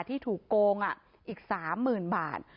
ที่ถูกโกงอ่ะอีก๓หมื่นบาท